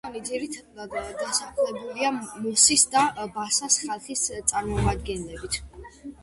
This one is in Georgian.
რეგიონი ძირითადად დასახლებულია მოსის და ბასას ხალხის წარმომადგენლებით.